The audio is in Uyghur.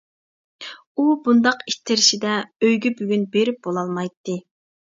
ئۇ بۇنداق ئىتتىرىشىدە ئۆيىگە بۈگۈن بېرىپ بولالمايتتى.